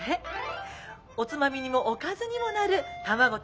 おつまみにもおかずにもなる卵とキクラゲの炒め。